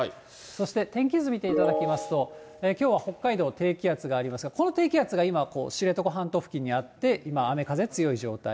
そして天気図見ていただきますと、きょうは北海道、低気圧がありますが、この低気圧が今、知床半島付近にあって、今、雨、風、強い状態。